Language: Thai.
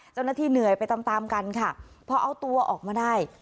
เจ้าหน้าที่เหนื่อยไปตามตามกันค่ะพอเอาตัวออกมาได้